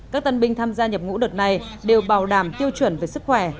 các tân binh tham gia nhập ngũ đợt này đều bảo đảm tiêu chuẩn về sức khỏe